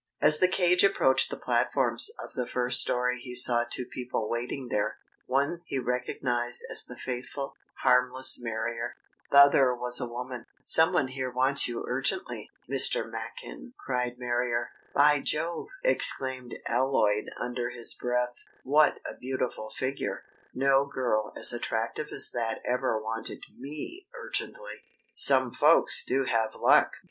As the cage approached the platforms of the first story he saw two people waiting there; one he recognised as the faithful, harmless Marrier; the other was a woman. "Someone here wants you urgently, Mr. Machin!" cried Marrier. "By Jove," exclaimed Alloyd under his breath, "what a beautiful figure! No girl as attractive as that ever wanted me urgently! Some folks do have luck!"